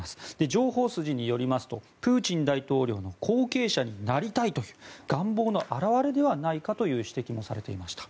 情報筋によりますとプーチン大統領の後継者になりたいと願望の表れではないかと指摘もされていました。